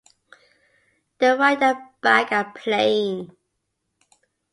The right and back are plain.